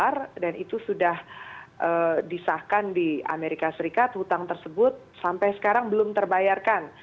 rp tiga ratus lima puluh tiga dan itu sudah disahkan di amerika serikat hutang tersebut sampai sekarang belum terbayarkan